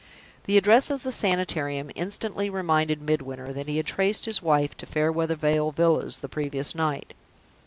The address of the Sanitarium instantly reminded Midwinter that he had traced his wife to Fairweather Vale Villas the previous night.